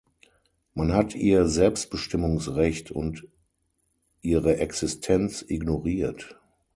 Man hat ihr Selbstbestimmungsrecht und ihre Existenz ignoriert.